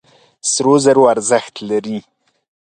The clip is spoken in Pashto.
سرو زرو ارزښت لري.